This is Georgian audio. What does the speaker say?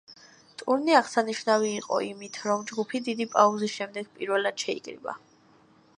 ტურნე აღსანიშნავი იყო იმით, რომ ჯგუფი, დიდი პაუზის შემდეგ პირველად შეიკრიბა.